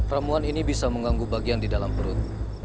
ramuan ini bisa mengganggu bagian di dalam perut